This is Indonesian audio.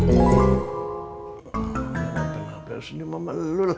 emang kenapa senyum emak malu lah